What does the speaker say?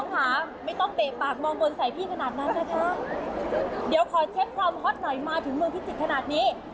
ค่ะไม่ต้องเตะปากมองบนใส่พี่ขนาดนั้นนะคะเดี๋ยวขอเช็คความฮอตหน่อยมาถึงเมืองพิจิตรขนาดนี้